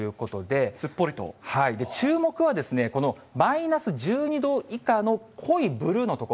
注目はですね、このマイナス１２度以下の濃いブルーの所。